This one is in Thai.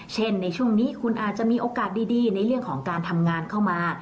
ในช่วงนี้คุณอาจจะมีโอกาสดีในเรื่องของการทำงานเข้ามา